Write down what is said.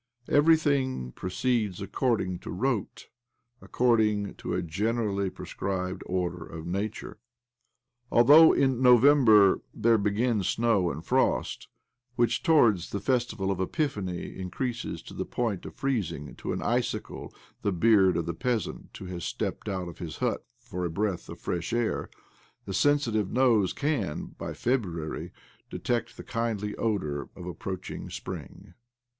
Everything proceeds accqrdirig to rote— according to a generally prescribed order of nature. Although, in November, there begin snow and frost which, towards the festival of Epiphany, increase to the point of freezing to an icicle the beard of the peasant who has stepped out of his hut for a breath of fresh air, the sensitive nose can, by OBLOMOV 77 February, detect the kindly odour of approaching spring.